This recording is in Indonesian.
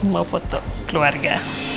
mau foto keluarga